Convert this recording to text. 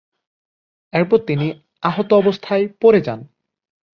এরপর তিনি আহতাবস্থায় পড়ে যান।